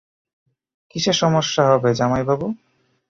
কিসের সমস্যা হবে, জামাইবাবু?